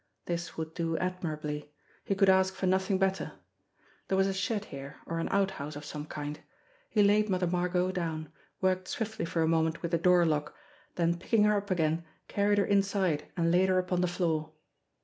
This would do ad mirably. He could ask for nothing better. There was a 297 298 JIMMIE DALE AND THE PHANTOM CLUE shed here, or an outhouse of some kind. He laid Mother Margot down, worked swiftly for a moment with the door lock, then picking her up again carried her inside and laid her upon the floor.